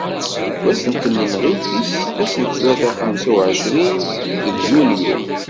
Deg wass n tmenɣiwt-is ass n ttlata xemsa u εecrin deg yunyu.